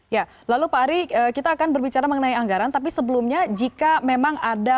ya lalu pak ari kita akan berbicara mengenai anggaran tapi sebelumnya jika memang ada